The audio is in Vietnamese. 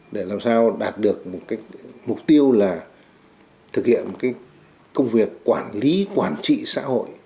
để làm sao đạt được một mục tiêu là thực hiện cái công việc quản lý quản trị xã hội